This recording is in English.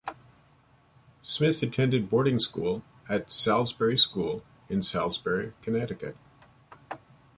Smith attended boarding school at Salisbury School in Salisbury, Connecticut.